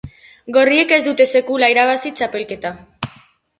Gorriek ez dute sekula irabazi txapelketa.